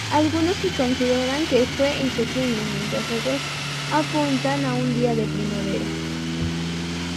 Algunos consideran que fue en septiembre, mientras otros apuntan a un día de primavera.